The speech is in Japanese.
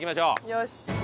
よし！